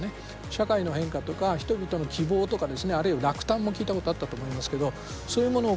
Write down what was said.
社会の変化とか人々の希望とかですねあるいは落胆も聞いたことあったと思いますけどそういうものをこの先もですね